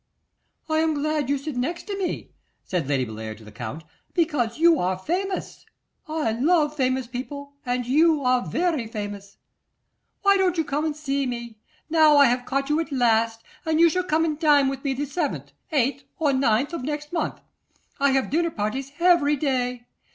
'I am glad you sit next to me,' said Lady Bellair to the Count, 'because you are famous. I love famous people, and you are very famous. Why don't you come and see me? Now I have caught you at last, and you shall come and dine with me the 7th, 8th, or 9th of next month; I have dinner parties every day.